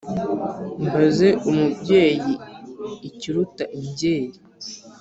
mbaze umubyeyi ikiruta imbyeyi